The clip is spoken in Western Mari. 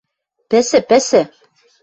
Пӹсӹ, пӹсӹ...